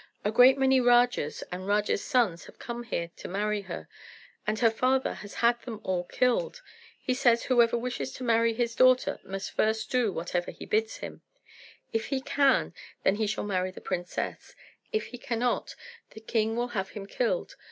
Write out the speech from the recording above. A great many Rajas and Rajas' sons have come here to marry her, and her father has had them all killed. He says whoever wishes to marry his daughter must first do whatever he bids him. If he can, then he shall marry the princess; if he cannot, the king will have him killed.